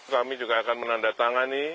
kami juga akan menandatangani